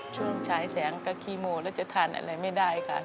ฉายแสงก็ขี้โมแล้วจะทานอะไรไม่ได้ค่ะ